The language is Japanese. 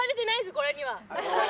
これには。